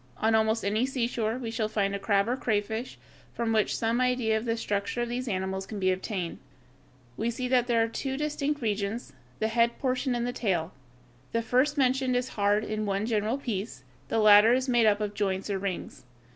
On almost any seashore we shall find a crab or crayfish, from which some idea of the structure of these animals can be obtained (Fig. 129). We see that there are two distinct regions, the head portion and the tail. The first mentioned is hard and in one general piece; the latter is made up of joints or rings.